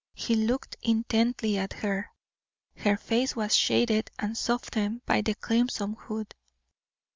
He looked intently at her. Her face was shaded and softened by the crimson hood.